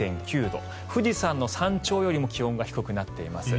富士山の山頂よりも気温が低くなっています。